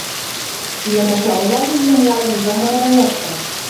إِلّا ما شاءَ اللَّهُ إِنَّهُ يَعلَمُ الجَهرَ وَما يَخفى